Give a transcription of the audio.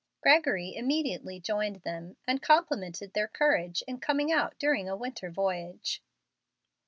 Gregory immediately joined them and complimented their courage in coming out during a winter voyage.